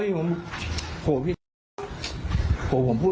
นี่มีห่วงเล็กนี่มีห่วงเล็ก